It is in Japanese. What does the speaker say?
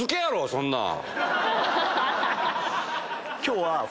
そんなん。